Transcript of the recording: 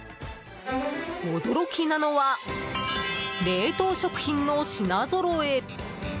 驚きなのは、冷凍食品の品ぞろえ。